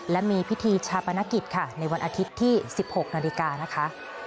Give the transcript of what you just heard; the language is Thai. และมีพิธีชาปนกิจค่ะในวันอาทิตย์ที่๑๖นาฬิกานะคะ